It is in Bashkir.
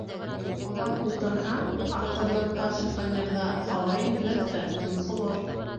Оҙаҡ ултырһа, Аҡтырнаҡҡа шифоньерҙа һауа етмәҫ тә тонсоғор...